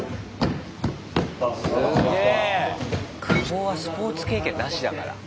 クボはスポーツ経験なしだから。